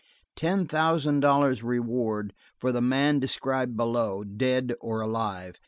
Ten thousand dollars reward for the man described below, dead or alive.